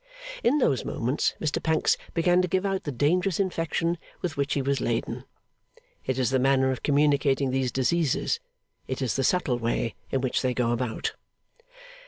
In those moments, Mr Pancks began to give out the dangerous infection with which he was laden. It is the manner of communicating these diseases; it is the subtle way in which they go about.